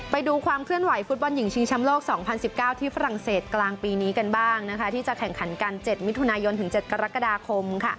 ไปดูความเคลื่อนไหวฟุตบอลหญิงชิงชำโลก๒๐๑๙ที่ฝรั่งเศสกลางปีนี้กันบ้างที่จะแข่งขันกัน๗มิถุนายนถึง๗กรกฎาคม